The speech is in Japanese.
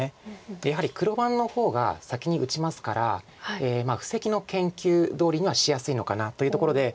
やはり黒番の方が先に打ちますから布石の研究どおりにはしやすいのかなというところで。